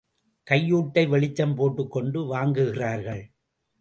கையூட்டை வெளிச்சம் போட்டுக்கொண்டு வாங்குகிறார்கள்.